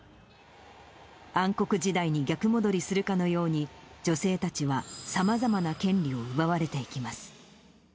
暗黒時代に逆戻りするかのように、女性たちはさまざまな権利を奪われていきます。